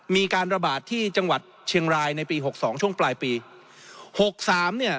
มีการระบาดที่จังหวัดเชียงรายในปีหกสองช่วงปลายปีหกสามเนี่ย